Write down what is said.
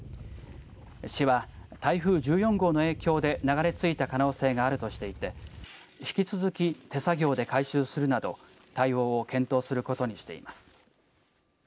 市は、台風１４号の影響で流れ着いた可能性があるとしていて引き続き手作業で回収するなど対応を検討することにしています。